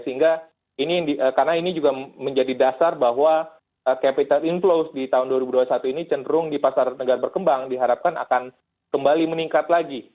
sehingga karena ini juga menjadi dasar bahwa capital inflows di tahun dua ribu dua puluh satu ini cenderung di pasar negara berkembang diharapkan akan kembali meningkat lagi